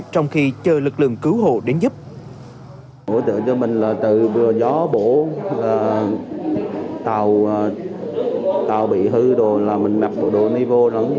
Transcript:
trong khi chờ lực lượng cứu hộ đến giúp